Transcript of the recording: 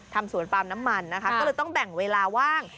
ทำสวนปาล์มน้ำมันนะคะก็เลยต้องแบ่งเวลาว่าง